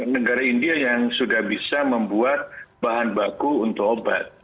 negara india yang sudah bisa membuat bahan baku untuk obat